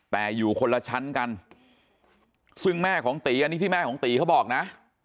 แต่อยู่คนละชั้นกันซึ่งแม่ของตีอันนี้ที่แม่ของตีเขาบอกนะ